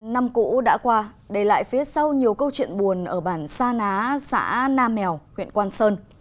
năm cũ đã qua để lại phía sau nhiều câu chuyện buồn ở bản sa ná xã nam mèo huyện quang sơn